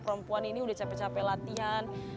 perempuan ini udah capek capek latihan